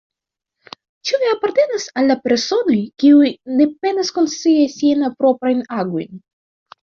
Ĉu vi apartenas al la personoj, kiuj ne penas konscii siajn proprajn agojn?